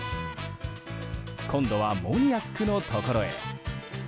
今度はモニアックのところへ。